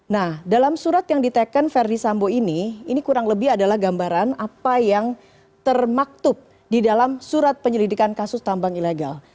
nah dalam surat yang ditekan verdi sambo ini ini kurang lebih adalah gambaran apa yang termaktub di dalam surat penyelidikan kasus tambang ilegal